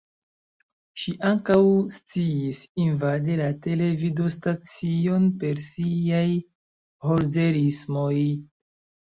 Ŝi ankaŭ sciis invadi la televidostacion per siaj "'Holzerismoj"'.